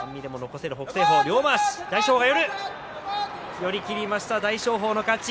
寄り切りました大翔鵬の勝ち。